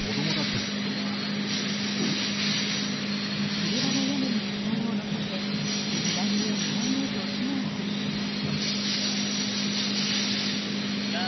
車の屋根に布団を載せて南へ南へと避難する人々。